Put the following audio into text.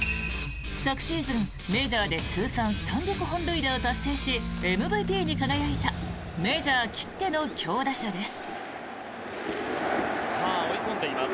昨シーズン、メジャーで通算３００本塁打を達成しＭＶＰに輝いたメジャーきっての強打者です。